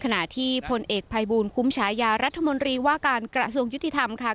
ขณะที่พลเอกภัยบูลคุ้มฉายารัฐมนตรีว่าการกระทรวงยุติธรรมค่ะ